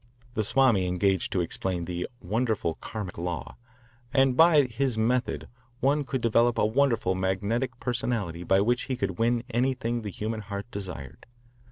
The Swami engaged to explain the "wonderful Karmic law," and by his method one could develop a wonderful magnetic personality by which he could win anything the human heart desired.